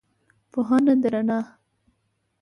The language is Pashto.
پوهنه ده رڼا